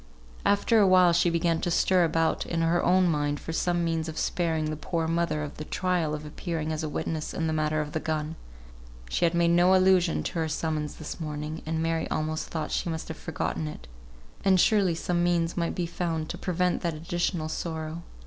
After a while she began to stir about in her own mind for some means of sparing the poor mother the trial of appearing as a witness in the matter of the gun. She had made no allusion to her summons this morning, and Mary almost thought she must have forgotten it; and surely some means might be found to prevent that additional sorrow.